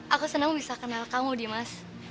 aku senang bisa kenal kamu dimas